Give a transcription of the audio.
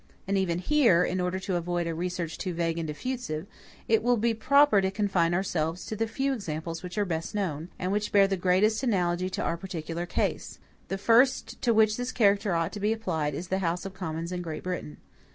And even here, in order to avoid a research too vague and diffusive, it will be proper to confine ourselves to the few examples which are best known, and which bear the greatest analogy to our particular case. The first to which this character ought to be applied, is the House of Commons in Great Britain.